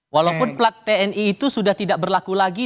walaupun plat tni itu sudah tidak berlaku lagi